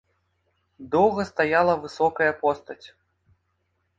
Доўга стаяла высокая постаць.